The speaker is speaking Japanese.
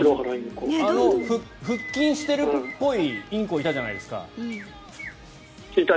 腹筋してるっぽいインコいたじゃないですか。